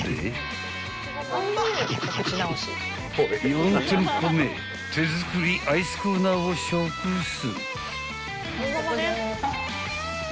［４店舗目手作りアイスコーナーを食す］